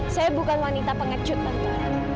saya bukan wanita pengecut mbak